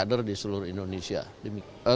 kader di seluruh indonesia